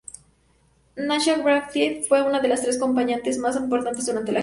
Natasha Bedingfield fue una de las tres acompañantes más importantes durante la gira.